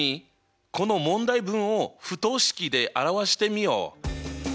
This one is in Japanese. この問題文を不等式で表してみよう。